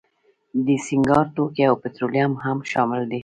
د سینګار توکي او پټرولیم هم شامل دي.